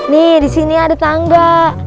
nih disini ada tangga